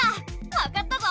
わかったぞ！